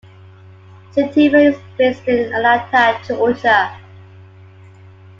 Gentiva is based in Atlanta, Georgia.